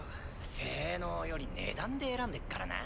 性能より値段で選んでっからなぁ。